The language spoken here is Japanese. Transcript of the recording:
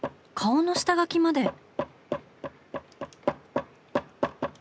顔の下描きまで。